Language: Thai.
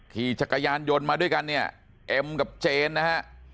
ขี่จักรยานยนต์มาด้วยกันเนี่ยเอ็มกับเจนนะฮะ